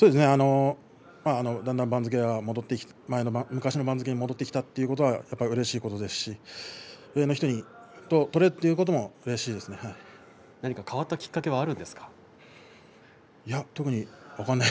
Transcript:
だんだん番付が戻ってきて昔の番付に戻ってきたのはうれしいことですし上の人と取れるということも変わったきっかけはありますか。